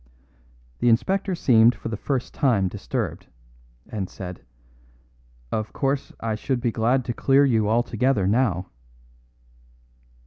The inspector seemed for the first time disturbed, and said, "Of course I should be glad to clear you altogether now."